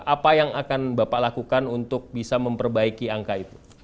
apa yang akan bapak lakukan untuk bisa memperbaiki angka itu